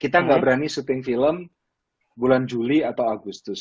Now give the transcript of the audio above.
kita nggak berani syuting film bulan juli atau agustus